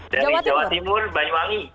dari jawa timur banyuwangi